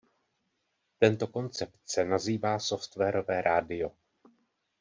Tento koncept se nazývá "softwarové rádio".